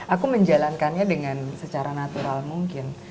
aku menjalankannya dengan secara natural mungkin